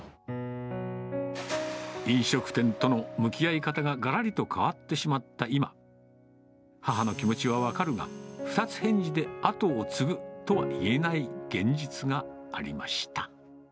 飲食店との向き合い方ががらりと変わってしまった今、母の気持ちは分かるが、二つ返事で跡を継ぐとは言えない現実がありました。